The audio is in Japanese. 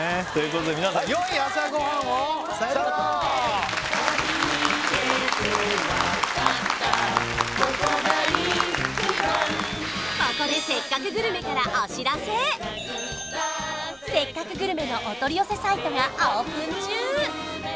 ここで「せっかくグルメ！！」からお知らせ「せっかくグルメ！！」のお取り寄せサイトがオープン中！